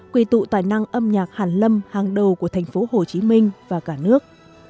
quy tụ tài năng âm nhạc hàn lâm hàng đầu của thành phố hồ chí minh và cả nước